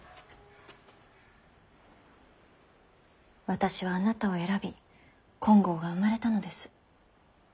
私はあなたを選び金剛が生まれたのです。